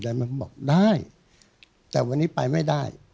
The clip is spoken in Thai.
เหมือนบอกได้แต่วันนี้ไปไม่ได้